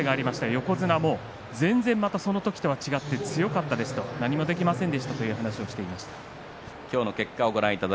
横綱も全然その時とは違って強かったです、何もできませんでしたと話していました。